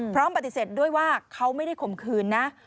พร้อมปฏิเสธด้วยว่าเขาไม่ได้ข่มขืนนะ